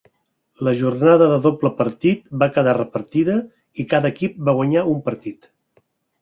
La jornada de doble partit va quedar repartida i cada equip va guanyar un partit.